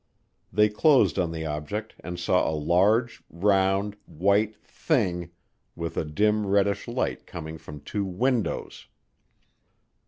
They closed on the object and saw a large, round, white "thing" with a dim reddish light coming from two "windows."